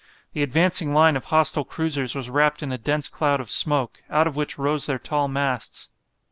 The advancing line of hostile cruisers was wrapped in a dense cloud of smoke, out of which rose their tall masts.